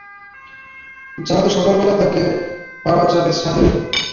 জানত সকালবেলা তাকে পাওয়া যাবে ছাদের উপরে।